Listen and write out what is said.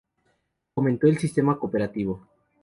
Fomento del Sistema Cooperativo.